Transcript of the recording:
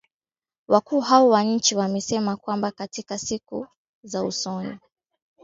Wakuu hao wa nchi wamesema kwamba katika siku za usoni,